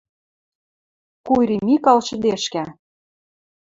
Кури Микал шӹдешкӓ: